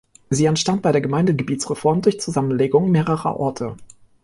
Sie entstand bei der Gemeindegebietsreform durch Zusammenlegung mehrerer Orte.